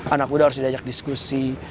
anak muda harus diajak diskusi